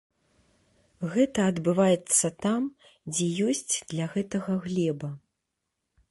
Гэта адбываецца там, дзе ёсць для гэтага глеба.